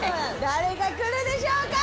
誰が来るでしょうか